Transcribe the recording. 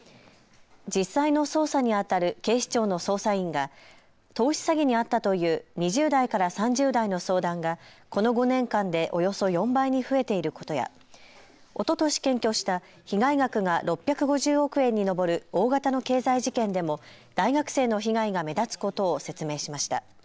実際の捜査にあたる警視庁の捜査員が投資詐欺に遭ったという２０代から３０代の相談がこの５年間でおよそ４倍に増えていることやおととし検挙した被害額が６５０億円に上る大型の経済事件でも大学生の被害が目立つことを説明しました。